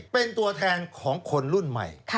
เป็นตัวแทนของคนรุ่นใหม่